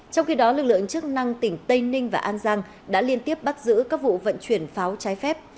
trong khi đó lực lượng chức năng tỉnh tây ninh và an giang đã liên tiếp bắt giữ các vụ vận chuyển pháo trái phép